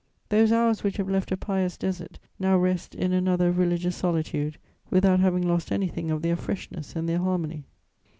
Those hours which have left a pious desert now rest in another religious solitude, without having lost anything of their freshness and their harmony.